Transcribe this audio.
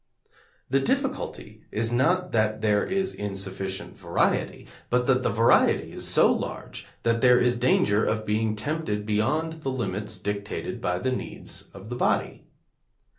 The difficulty is not that there is insufficient variety, but that the variety is so large that there is danger of being tempted beyond the limits dictated by the needs of the body.